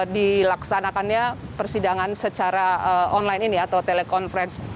dilaksanakannya per sidangan secara online ini atau telekonferensi